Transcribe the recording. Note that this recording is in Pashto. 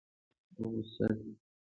دواړه یو بل ته غوسه دي.